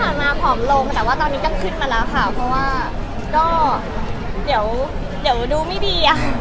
มาผอมลงแต่ว่าตอนนี้ก็ขึ้นมาแล้วค่ะเพราะว่าก็เดี๋ยวดูไม่ดีอ่ะ